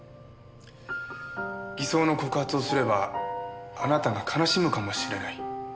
偽装の告発をすればあなたが悲しむかもしれない。